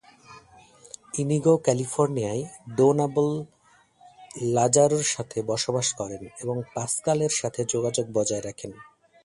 Inigo ক্যালিফোর্নিয়ায় Donabel লাজারোর সাথে বসবাস করেন এবং পাস্কাল এর সাথে যোগাযোগ বজায় রাখেন।